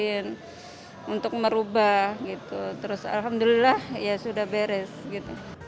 dan untuk merubah gitu terus alhamdulillah ya sudah beres gitu